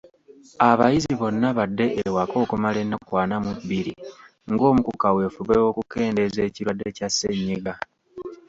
Abayizi bonna badde ewaka okumala ennaku ana mu bbiri ng’omu ku kaweefube w’okukendeeza ekirwadde kya ssennyiga.